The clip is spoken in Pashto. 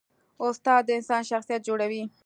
استاد د انسان شخصیت جوړوي.